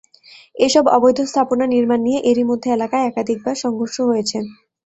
এসব অবৈধ স্থাপনা নির্মাণ নিয়ে এরই মধ্যে এলাকায় একাধিকবার সংঘর্ষ হয়েছে।